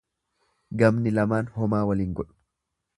Gamni lamaan homaa wal hin godhu.